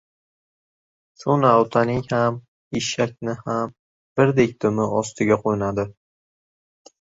• So‘na otning ham, eshakning ham birdek dumi ostiga qo‘nadi.